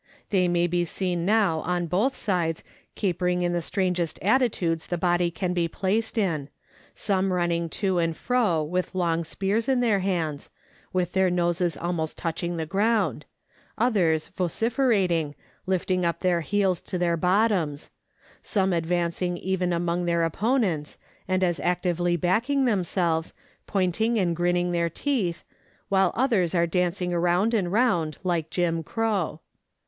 They may be seen now on both sides capering in the strangest attitudes the body can be placed in, some running to and fro with long spears in their hands, with their noses almost touching the ground ; others vociferating, lifting up their heels to their bottoms ; some advancing even among their opponents, and as actively backing themselves, pointing and gritting their teeth, while others are dancing round and round like Jim Crow.